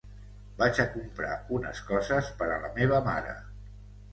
Vaig a comprar unes coses per a la meva mare.